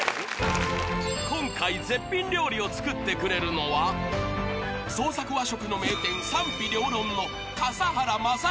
［今回絶品料理を作ってくれるのは創作和食の名店］